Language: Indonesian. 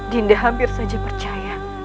dinda hampir saja percaya